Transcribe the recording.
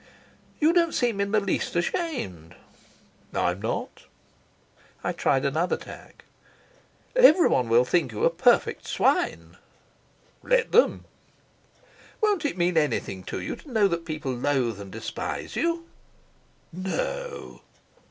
"You don't seem in the least ashamed." "I'm not." I tried another tack. "Everyone will think you a perfect swine." "Let them." "Won't it mean anything to you to know that people loathe and despise you?" "No."